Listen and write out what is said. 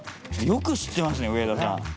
よく知ってますね上田さん。